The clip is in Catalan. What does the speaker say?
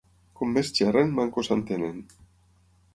Com més xerren, manco s'entenen.